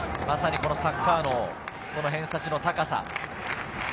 まさにサッカー脳、偏差値の高さ。